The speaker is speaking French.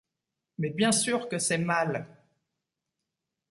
Mais bien sûr que c’est mal !